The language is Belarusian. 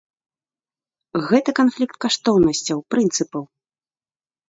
Гэта канфлікт каштоўнасцяў, прынцыпаў.